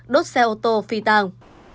đốt xe ô tô phi tàng